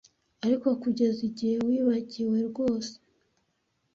Ariko, kugeza igihe wibagiwe rwose